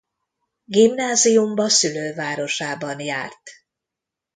Gimnáziumba szülővárosában járt.